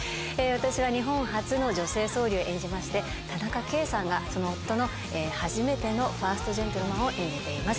私は日本初の女性総理を演じまして田中圭さんがその夫の初めてのファーストジェントルマンを演じています。